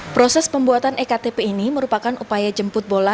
proses pembuatan ektp ini merupakan upaya jemput bola